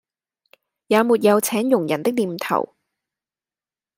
也沒有請佣人的念頭